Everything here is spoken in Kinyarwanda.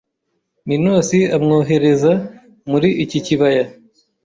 Minos amwohereza muri iki kibaya